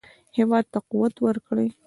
هېواد ته قوت ورکړئ